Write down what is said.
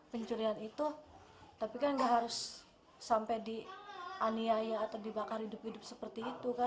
pencurian itu tapi kan nggak harus sampai dianiaya atau dibakar hidup hidup seperti itu kan